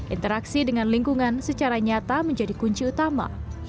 interaksi dengan lingkungan secara nyata menjadi kunci utama